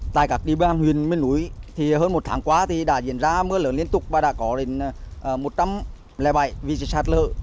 tại các địa bàn huyền miền núi thì hơn một tháng qua thì đã diễn ra mưa lớn liên tục và đã có đến một trăm linh bảy vị trí sạt lở